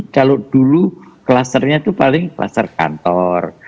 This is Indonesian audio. kalau dulu klusternya itu paling kluster kantor